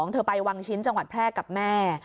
เธอไปวังชิ้นจังหวัดแพร่กับแม่